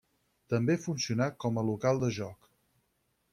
També funcionà com a local de joc.